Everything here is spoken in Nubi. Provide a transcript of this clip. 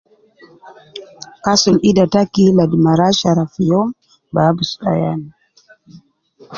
Kasul ida taki ladi marashara fi youm ba abus ayan